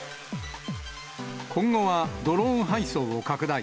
今後はドローン配送を拡大。